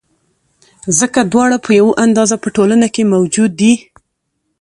ځکه دواړه په یوه اندازه په ټولنه کې موجود دي.